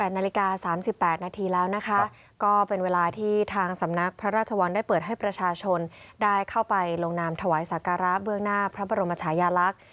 นาฬิกา๓๘นาทีแล้วนะคะก็เป็นเวลาที่ทางสำนักพระราชวังได้เปิดให้ประชาชนได้เข้าไปลงนามถวายสักการะเบื้องหน้าพระบรมชายาลักษณ์